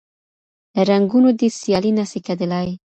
له رنګونو دي سیالي نه سي کېدلای